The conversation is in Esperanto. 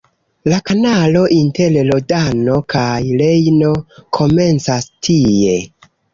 La kanalo inter Rodano kaj Rejno komencas tie.